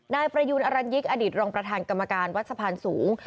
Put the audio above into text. นายประยูนอรัญยิกอดีตรองประธานกรรมการวัดสะพานสูง